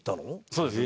そうです。